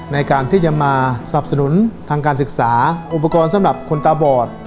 ในการที่จะมาสับสนุนทางการศึกษาอุปกรณ์สำหรับคนตาบอด